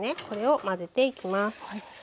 これを混ぜていきます。